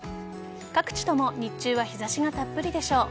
各地とも日中は日差しがたっぷりでしょう。